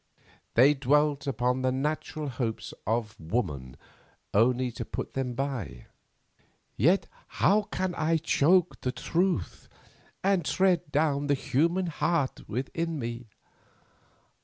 They dwelt upon the natural hopes of woman only to put them by. "Yet how can I choke the truth and tread down the human heart within me?